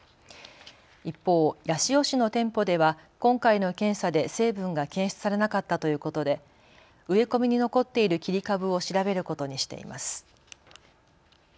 一方、八潮市の店舗では今回の検査で成分が検出されなかったということで植え込みに残っている切り株を調べることにしています。